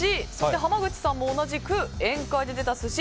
濱口さんも同じく宴会で出た寿司。